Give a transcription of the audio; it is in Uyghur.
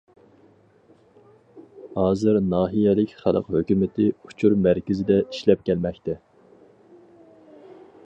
ھازىر ناھىيەلىك خەلق ھۆكۈمىتى ئۇچۇر مەركىزىدە ئىشلەپ كەلمەكتە.